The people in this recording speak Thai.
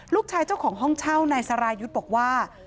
เจ้าของห้องเช่านายสรายุทธ์บอกว่า